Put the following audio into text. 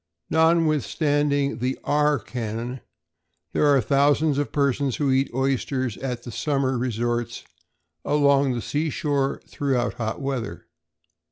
Notwithstanding the R canon, there are thousands of persons who eat oysters at the summer resorts along the seashore throughout hot weather.